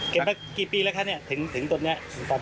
เคล็บไปสักที่ปีแล้วคะถึงตอนนี้